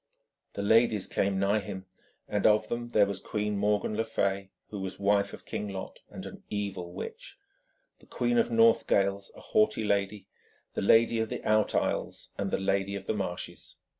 The ladies came nigh him, and of them there was Queen Morgan le Fay, who was wife of King Lot, and an evil witch; the Queen of Northgales, a haughty lady; the Lady of the Out Isles; and the Lady of the Marshes.